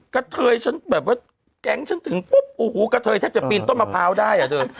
กะเทย์แก๊งฉันถึงกุ๊บกะเทย์แทบในต้นมะพร้าวได้